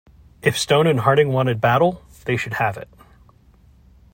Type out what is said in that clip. If Stone and Harding wanted battle, they should have it.